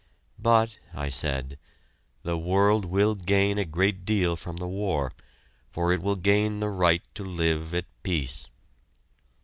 "But," I said, "the world will gain a great deal from the war, for it will gain the right to live at peace."